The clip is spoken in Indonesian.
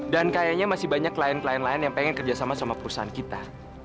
dan kayaknya masih banyak klien klien lain yang pengen kerjasama sama perusahaan kita